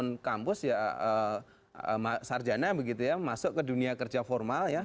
yang kampus ya sarjana begitu ya masuk ke dunia kerja formal ya